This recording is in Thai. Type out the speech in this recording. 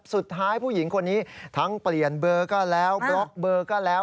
ผู้หญิงคนนี้ทั้งเปลี่ยนเบอร์ก็แล้วบล็อกเบอร์ก็แล้ว